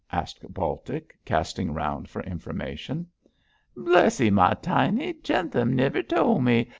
asked Baltic, casting round for information. 'Bless 'ee, my tiny! Jentham nivir tole me.